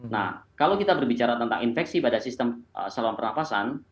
nah kalau kita berbicara tentang infeksi pada sistem saluran pernafasan